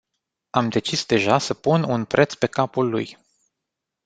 Am decis deja să pun un preț pe capul lui.